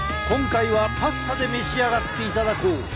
今回はパスタで召し上がっていただこう！